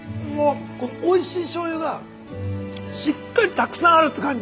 おいしい醤油がしっかりたくさんあるって感じ